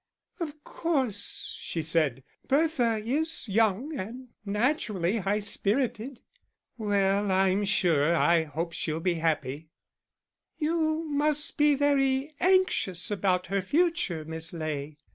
"Of course," she said, "Bertha is young, and naturally high spirited." "Well, I'm sure, I hope she'll be happy." "You must be very anxious about her future, Miss Ley."